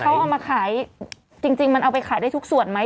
เขาเอามาขายจริงมันเอาไปขายได้ทุกส่วนไหม